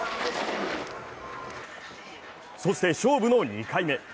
そして、勝負の２回目。